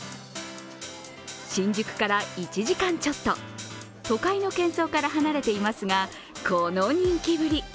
新宿から１時間ちょっと、都会のけん騒から離れていますが、この人気ぶり。